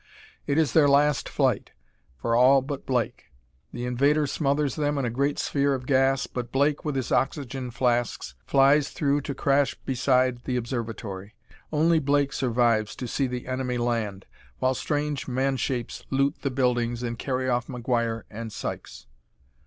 It is their last flight, for all but Blake. The invader smothers them in a great sphere of gas, but Blake, with his oxygen flasks, flies through to crash beside the observatory. Only Blake survives to see the enemy land, while strange man shapes loot the buildings and carry off McGuire and Sykes.